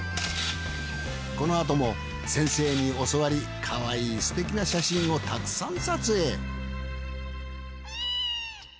このあとも先生に教わりかわいいすてきな写真をたくさん撮影。